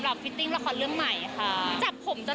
ให้กับตัวเองบ้าง